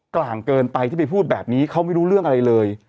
กลางเกินไปที่ไปพูดแบบนี้เขาไม่รู้เรื่องอะไรเลย